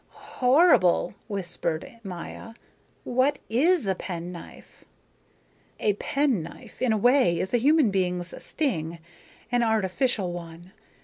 "Horrible," whispered Maya. "What is a pen knife?" "A pen knife, in a way, is a human being's sting, an artificial one.